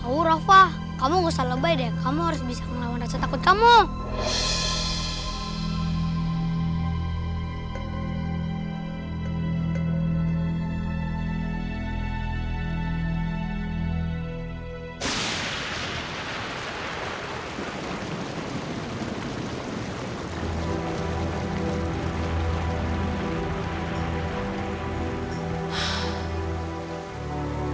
aduh bapak kamu jangan kemakan omongan ayah deh